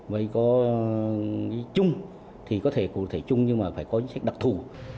vậy có chung thì có thể cụ thể chung nhưng mà phải có chính sách đặc thù